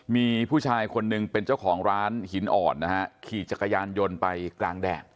มีผู้ชายคนหนึ่งเป็นเจ้าของร้านหินอ่อนนะฮะขี่จักรยานยนต์ไปกลางแดด